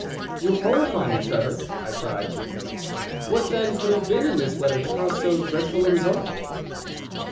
"'You horrify me, Trevor!' I cried. 'What then could have been in this letter to cause so dreadful a result?